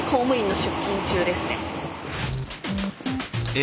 え